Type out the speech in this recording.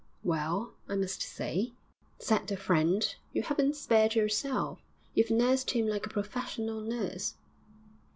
'Well, I must say,' said the friend, 'you haven't spared yourself; you've nursed him like a professional nurse.'